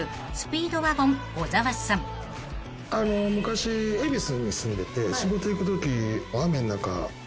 昔恵比寿に住んでて仕事行くとき。